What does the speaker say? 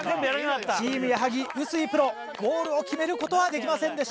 チーム矢作・臼井プロゴールを決めることはできませんでした。